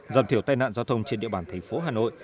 giảm thiểu tai nạn giao thông trên địa bàn tp hcm